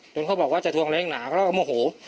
จนก็บอกว่าจะถ่วงแรงหน่าเขาเราก็โมโห